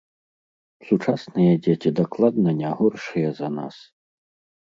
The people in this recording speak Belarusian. Сучасныя дзеці дакладна не горшыя за нас.